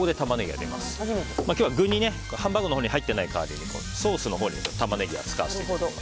今日は具が、ハンバーグに入っていない代わりにソースのほうにタマネギは使わせていただいています。